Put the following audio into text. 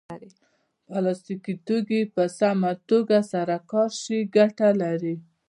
پلاستيکي توکي که سمه توګه سره کار شي ګټه لري.